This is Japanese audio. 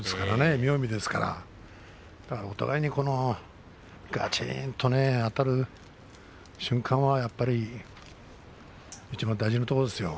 妙技ですからだからお互いにがちんとあたる瞬間はいちばん大事なところですよ。